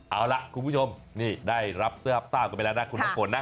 เอาละคุณผู้ชมได้รับเสื้อรับต้าวไปแล้วนะคุณท่านขนนะ